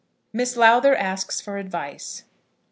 MISS LOWTHER ASKS FOR ADVICE.